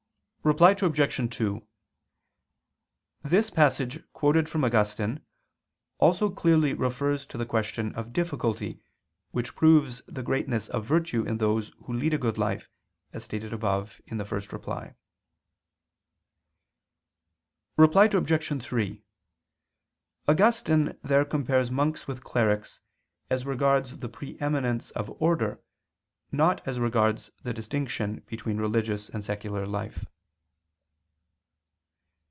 Reply Obj. 2: This passage quoted from Augustine also clearly refers to the question of difficulty which proves the greatness of virtue in those who lead a good life, as stated above (ad 1). Reply Obj. 3: Augustine there compares monks with clerics as regards the pre eminence of order, not as regards the distinction between religious and secular life.